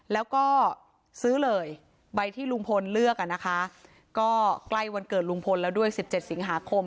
แล้วก็ซื้อเลยใบที่ลุงพลเลือกอ่ะนะคะก็ใกล้วันเกิดลุงพลแล้วด้วย๑๗สิงหาคม